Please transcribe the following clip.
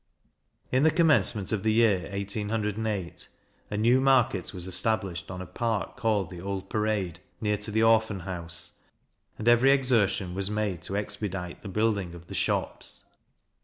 In the commencement of the year 1808, a new market was established on a part called the Old Parade, near to the Orphan House, and every exertion was made to expedite the building of the shops.